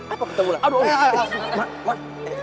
apa ketemu lah